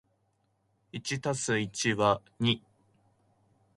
一足す一は一ー